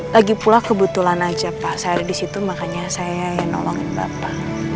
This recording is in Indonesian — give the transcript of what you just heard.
lagi pula kebetulan aja pak saya ada di situ makanya saya yang nolongin bapak